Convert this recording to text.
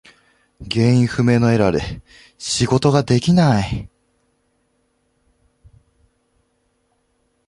原因不明のエラーで仕事ができない。